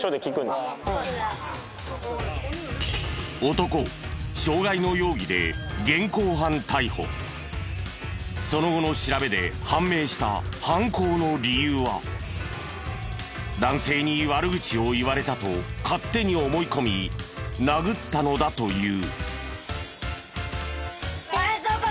男をその後の調べで判明した犯行の理由は男性に悪口を言われたと勝手に思い込み殴ったのだという。